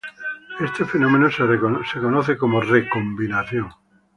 Este fenómeno se conoce como "recombinación".